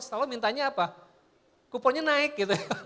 setelah itu minta apa kuponnya naik